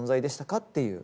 っていう。